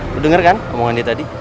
lo denger kan ngomongin dia tadi